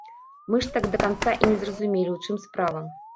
Мы ж так да канца і не зразумелі, у чым справа.